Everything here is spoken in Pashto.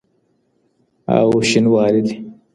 او شینواري دي.